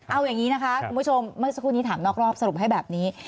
เอาอย่างนี้นะคะคุณผู้ชมเมื่อสักครู่นี้ถามนอกรอบสรุปให้แบบนี้